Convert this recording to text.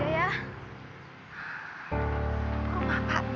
rumah pak d